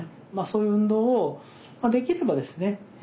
そういう運動をできればですね